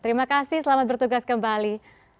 terima kasih selamat bertugas kembali